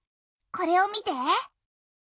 これを見て。